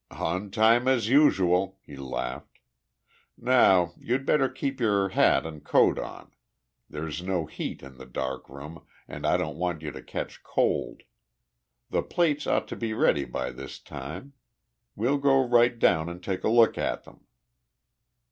"On time, as usual," he laughed. "Now you'd better keep your hat and coat on. There's no heat in the dark room and I don't want you to catch cold. The plates ought to be ready by this time. We'll go right down and take a look at them."